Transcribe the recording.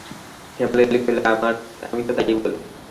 হেমনলিনী কহিল, আমিও তো তাই বলি।